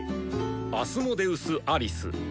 アスモデウス・アリス。